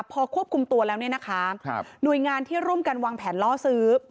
พอควบคุมตัวแล้วเนี่ยนะคะหน่วยงานที่ร่วมกันวางแผนล่อซื้อ